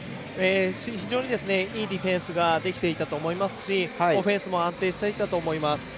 非常にいいディフェンスができていたと思いますしオフェンスも安定していたと思います。